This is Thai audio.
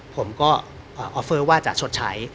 ผมก็ออฟเฟอร์ว่าจะชดใช้